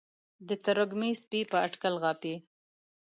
د تروږمۍ سپي په اټکل غاپي